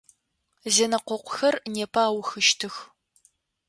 Зэнэкъокъухэр непэ аухыщтых.